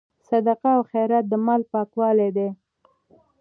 صدقه او خیرات د مال پاکوالی دی.